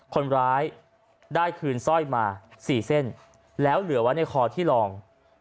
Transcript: คนร้ายได้คืนสร้อยมา๔เส้นแล้วเหลือไว้ในคอที่รอง